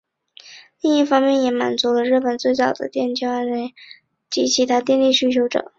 另一方面也满足了日本最早的电气化铁路京电的开业及其他电力需求者。